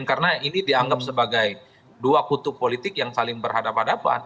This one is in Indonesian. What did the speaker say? karena ini dianggap sebagai dua kutub politik yang saling berhadapan